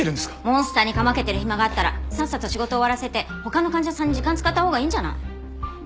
モンスターにかまけてる暇があったらさっさと仕事終わらせて他の患者さんに時間使ったほうがいいんじゃない？